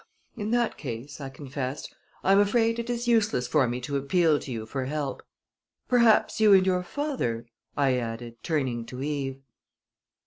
"In that case," I confessed, "I am afraid it is useless for me to appeal to you for help. Perhaps you and your father " I added, turning to Eve.